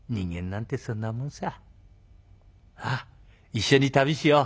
一緒に旅しよう。